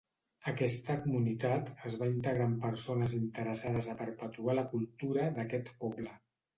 Aquesta comunitat es va integrar amb persones interessades a perpetuar la cultura d'aquest poble.